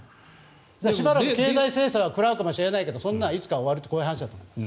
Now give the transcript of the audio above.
しばらく経済制裁は食らうかもしれないけどそんなのいつか終わるとこういう話だと思います。